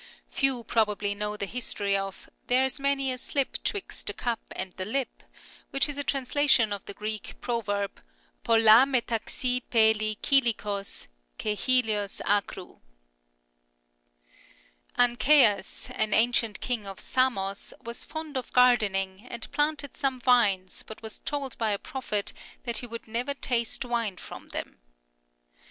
Few probably know the history of " There's many a slip 'twixt the cup and the lip," which is a translation of the Greek proverb TroXXa fxera^v irekei KvXiKOg Koi X^t^eo? Sxpov. AncSEUS, an ancient king of Samos, was fond of gardening, and planted some vines but was told by a prophet that he would never taste wine from them.